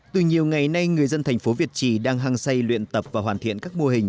từ nhiều ngày nay người dân thành phố việt trì đang hăng say luyện tập và hoàn thiện các mô hình